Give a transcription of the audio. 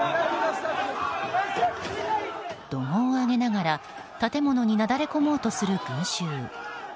怒号を上げながら建物になだれ込もうとする群衆。